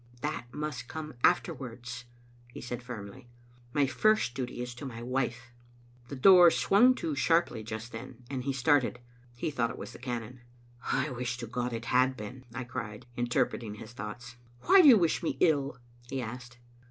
"" That must come afterwards," he said firmly. " My first duty is to my wife. " The door swung to sharply just then, and he started. He thought it was the cannon. "I wish to God it had been!" I cried, interpreting his thoughts. "Why do you wish me ill?" he asked.